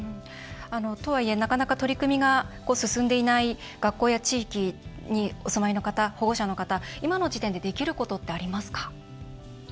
とはいえなかなか取り組みが進んでいない学校や地域にお住まいの方保護者の方、今の時点でできることってありますか？